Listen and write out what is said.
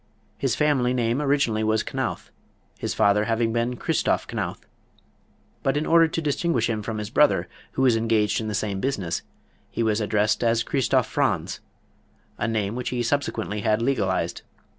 His family name originally was Knauth, his father having been Christoph Knauth. But in order to distinguish him from his brother, who was engaged in the same business, he was addressed as Christoph Franz, a name which he subsequently had legalized.